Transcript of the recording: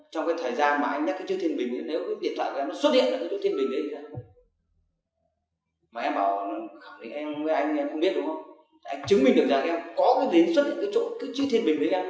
trong câu trả lời bị can